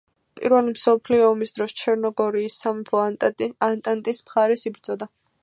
პირველი მსოფლიო ომის დროს ჩერნოგორიის სამეფო ანტანტის მხარეს იბრძოდა.